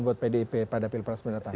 buat pdip pada pilpres mendatang